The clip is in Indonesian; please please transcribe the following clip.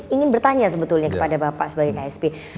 ingin bertanya sebetulnya kepada bapak sebagai ksp